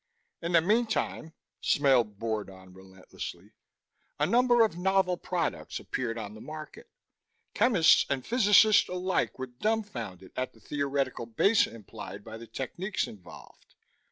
"In the meantime," Smale bored on relentlessly, "a number of novel products appeared on the market. Chemists and physicists alike were dumfounded at the theoretical base implied by the techniques involved.